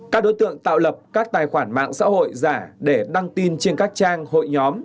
các đối tượng tạo lập các tài khoản mạng xã hội giả để đăng tin trên các trang hội nhóm